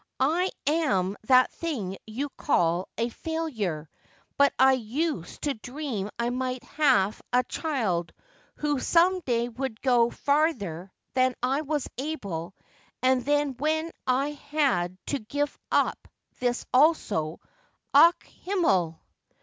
"I am that thing you call a failure, but I used to dream I might haf a child who some day would go farther than I was able and then when I had to gif up this also Ach, Himmel!"